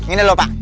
ini lho pak